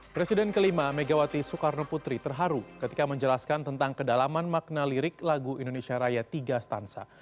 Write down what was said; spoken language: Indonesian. presiden kelima megawati soekarno putri terharu ketika menjelaskan tentang kedalaman makna lirik lagu indonesia raya tiga stansa